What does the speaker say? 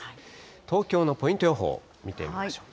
東京のポイント予報、見てみましょう。